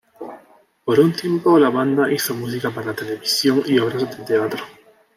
Por un tiempo la banda hizo música para televisión y obras de teatro.